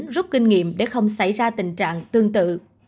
rút kinh nghiệm để không xảy ra tình trạng tương tự